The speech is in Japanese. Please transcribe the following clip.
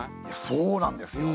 そうなんですよ！